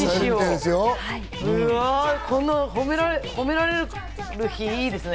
この褒められる日、いいですね。